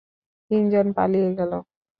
তিনজন পালিয়ে গেল।